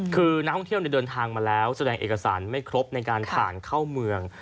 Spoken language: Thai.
คือนักท่องเที่ยวเดินทางมาแล้วแสดงเอกสารไม่ครบในการผ่านเข้าเมือง